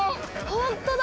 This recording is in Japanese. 本当だ！